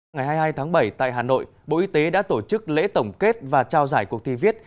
ngày hai mươi hai tháng bảy tại hà nội bộ y tế đã tổ chức lễ tổng kết và trao giải cuộc thi viết